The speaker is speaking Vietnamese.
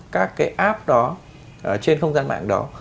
các cái app đó trên không gian mạng đó